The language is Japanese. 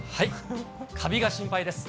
かびが心配です。